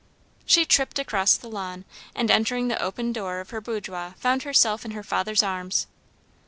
She tripped across the lawn, and entering the open door of her boudoir, found herself in her father's arms.